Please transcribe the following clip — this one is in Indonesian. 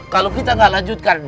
kalo kita gak lanjutkan